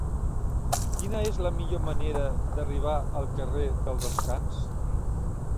Quina és la millor manera d'arribar al carrer del Descans?